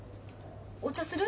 お茶する？